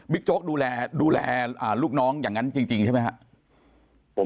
บิ๊กโจ๊กดูแลลูกน้องอย่างนั้นจริงใช่ไหม